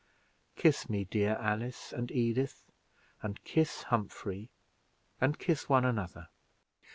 Kiss me, dear Alice and Edith, and kiss Humphrey, and kiss one another.